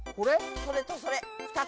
それとそれ２つ。